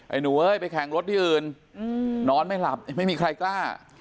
หนูเอ้ยไปแข่งรถที่อื่นนอนไม่หลับไม่มีใครกล้า